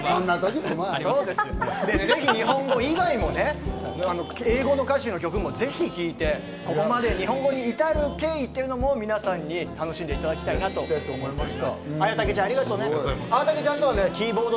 ぜひ日本語以外もね、英語の歌詞の曲もぜひ聴いて、日本語までに至る経緯というのも楽しんでいただきたいなと思います。